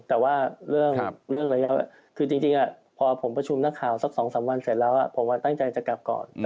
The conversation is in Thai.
คือจริงพอผมประชุมหน้าข่าวสัก๒๓วันเสร็จแล้วผมตั้งใจจะกลับก่อน